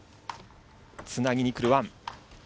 つなぎにくるワン。